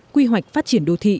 quy hoạch phát triển đô thị